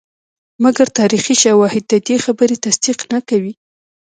مګر تاریخي شواهد ددې خبرې تصدیق نه کوي.